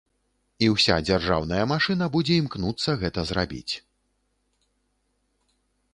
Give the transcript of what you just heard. І ўся дзяржаўная машына будзе імкнуцца гэта зрабіць.